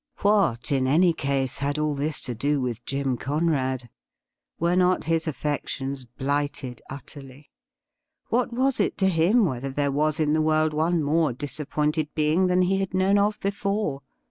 What, in any case, had all this to do with Jim Conrad ? Were not his affections blighted utterly ? What was it to him whether there was in the world one more disap pointed being than he had known of before